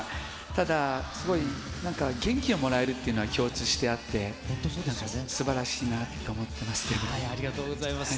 ただ、すごいなんか、元気がもらえるというのは共通してあって、すばらしいなと思ってありがとうございます。